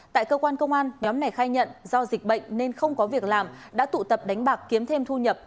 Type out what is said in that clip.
tại cơ quan công an nhóm này khai nhận do dịch bệnh nên không có việc làm đã tụ tập đánh bạc kiếm thêm thu nhập